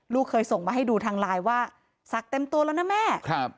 ลูกเคยส่งมาให้ดูทางไลน์ว่าศักดิ์เต็มตัวแล้วนะแม่